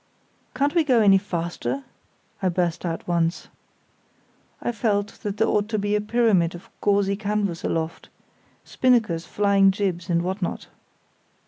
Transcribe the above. "Can't we go any faster?" I burst out once. I felt that there ought to be a pyramid of gauzy canvas aloft, spinnakers, flying jibs and what not.